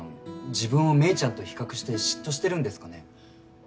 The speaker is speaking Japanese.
自分をメイちゃんと比較して嫉妬してるんですかね？